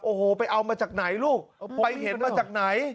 โอ้โหไปเอามาจากไหนลูกไปเห็นมาจากไหน